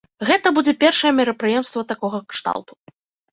Гэта будзе першае мерапрыемства такога кшталту.